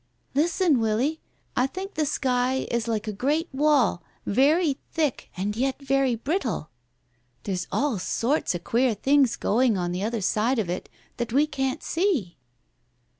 "Listen, Willie; I think the sky is like a great wall, very thick, and yet very brittle. There's all sorts of queer things going on the other side of it, that we can't see."